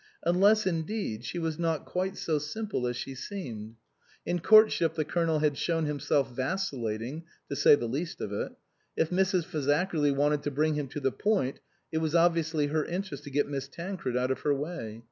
Unless, indeed, she was not quite so simple as she seemed. In courtship the Colonel had shown himself vacillating, to say the least of it. If Mrs. Fazakerly wanted to bring him to the point it was obviously her interest to get Miss Tancred out of her way.